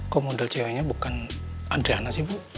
kok model ceweknya bukan adriana sih bu